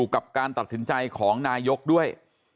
กับการตัดสินใจของนายกด้วย